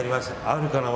あるかな？